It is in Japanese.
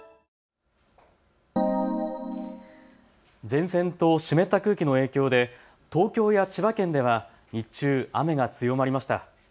前線と湿った空気の影響で東京や千葉県では日中、雨が強まりました。